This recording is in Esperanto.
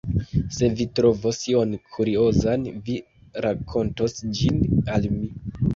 Se vi trovos ion kuriozan, vi rakontos ĝin al mi.